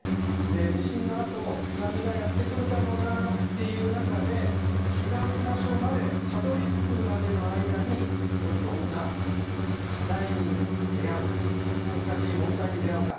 で地震のあと津波がやって来るかもなっていう中で避難場所までたどりつくまでの間にどんな課題に出会うか難しい問題に出会うか。